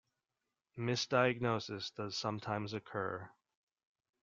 Misdiagnosis does sometimes occur.